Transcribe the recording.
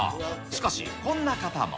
しかし、こんな方も。